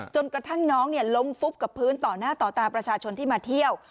จนกระทั่งน้องล้มฟุบกับพื้นต่อหน้าต่อตาประชาชนที่มาเที่ยว